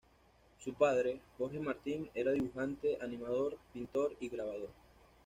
Su padre, Jorge Martin, era dibujante, animador, pintor y grabador.